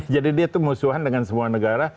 jadi dia itu musuhan dengan semua negara